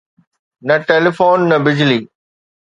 نه ٽيليفون، نه بجلي.